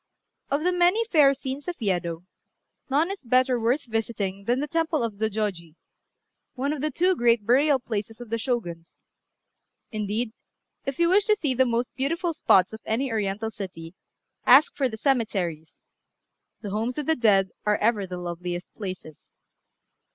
Of the many fair scenes of Yedo, none is better worth visiting than the temple of Zôjôji, one of the two great burial places of the Shoguns; indeed, if you wish to see the most beautiful spots of any Oriental city, ask for the cemeteries: the homes of the dead are ever the loveliest places.